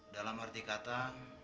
dalam arti kata